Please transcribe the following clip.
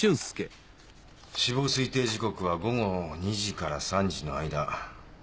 死亡推定時刻は午後２時から３時の間。